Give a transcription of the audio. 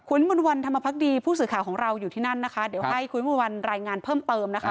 คุณมนต์วันธรรมพักดีผู้สื่อข่าวของเราอยู่ที่นั่นนะคะเดี๋ยวให้คุณวิมวลวันรายงานเพิ่มเติมนะคะ